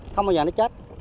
không bao giờ nó chết